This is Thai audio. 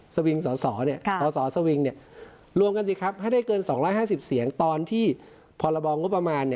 สวิงสอสอสวิงรวมกันสิครับให้ได้เกิน๒๕๐เสียงตอนที่พรบงบประมาณ